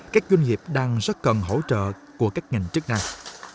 các doanh nghiệp đang rất cần hỗ trợ của các ngành chức năng